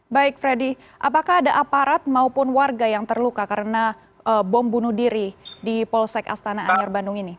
baik freddy apakah ada aparat maupun warga yang terluka karena bom bunuh diri di polsek astana anyar bandung ini